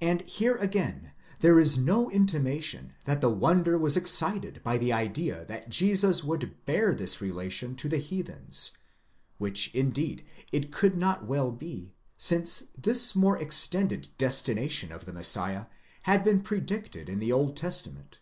And here again there is no intimation that the wonder was excited by the idea that Jesus would bear this relation to the heathens, which indeed it could not well be, since this more extended desti nation of the Messiah had been predicted in the Old Testament.